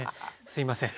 すいません。